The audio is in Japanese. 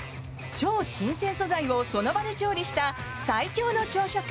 超新鮮素材をその場で調理した最強の朝食。